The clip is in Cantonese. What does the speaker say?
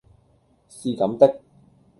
是咁的